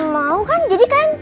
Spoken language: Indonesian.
mau kan jadi kan